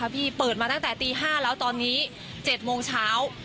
ครับพี่เปิดมาตั้งแต่ตีห้าแล้วตอนนี้เจ็ดโมงเช้า